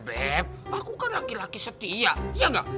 beb aku kan laki laki setia iya nggak